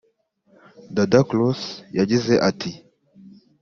Dada Cross yagize ati